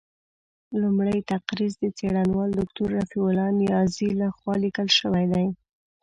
لومړۍ تقریض د څېړنوال دوکتور رفیع الله نیازي له خوا لیکل شوی دی.